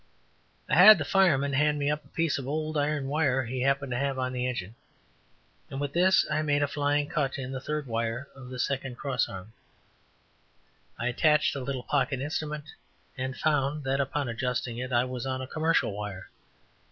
I had the fireman hand me up a piece of old iron wire he happened to have on the engine, and with this I made a flying cut in the third wire of the second cross arm. I attached the little pocket instrument, and found that upon adjusting it, I was on a commercial wire.